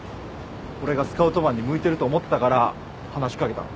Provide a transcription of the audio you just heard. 俺がスカウトマンに向いてると思ったから話し掛けたの？